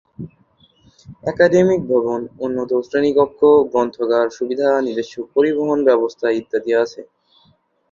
Academic ভবন, উন্নত শ্রেণীকক্ষ, গ্রন্থাগার সুবিধা, নিজস্ব পরিবহন ব্যবস্থা ইত্যাদি আছে।